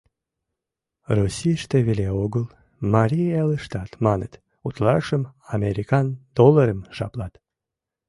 — Российыште веле огыл, Марий Элыштат, маныт, утларакшым американ долларым жаплат.